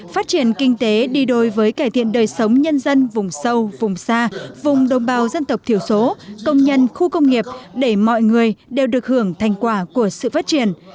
phát triển kinh tế đi đôi với cải thiện đời sống nhân dân vùng sâu vùng xa vùng đồng bào dân tộc thiểu số công nhân khu công nghiệp để mọi người đều được hưởng thành quả của sự phát triển